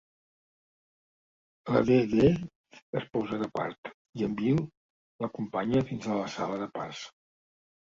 La Dedee es posa de part i en Bill l'acompanya fins a la sala de parts.